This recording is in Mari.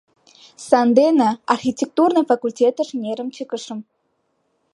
Сандене архитектурный факультетыш нерем чыкышым.